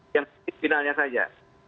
yang finalnya saja